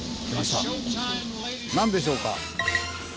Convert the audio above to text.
何でしょうか？